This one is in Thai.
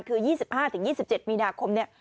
คือ๒๕๒๗มีนาคมเนี่ย